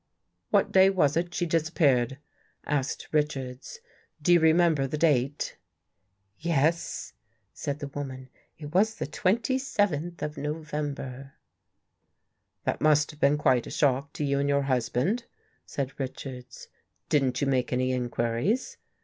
" What day was it she disappeared," asked Rich ards, " do you remember the date? " "Yes," said the woman. "It was the 27th of November." " That must have been quite a shock to you and your husband," said Richards. " Didn't you make any inquiries?